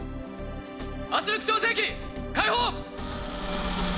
圧力調整器開放。